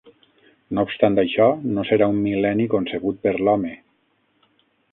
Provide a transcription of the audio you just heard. No obstant això, no serà un mil·lenni concebut per l'home.